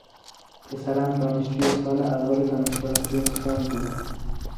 پسرم دانشجوی سال اول دانشگاه پرینستون بود.